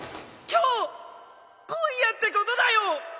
今夜ってことだよ！